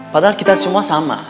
padahal kita semua sama